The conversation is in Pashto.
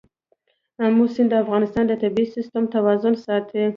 آمو سیند د افغانستان د طبعي سیسټم توازن ساتي.